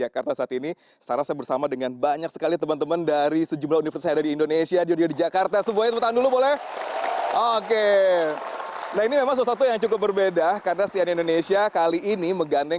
kementerian pariwisata mencoba untuk bagaimana